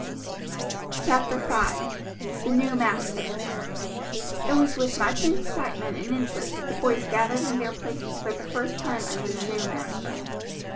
CHAPTER V: THE NEW MASTER It was with much excitement and interest that the boys gathered in their places for the first time under the new master.